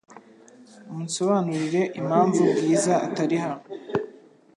Munsobanurire impamvu Bwiza atari hano .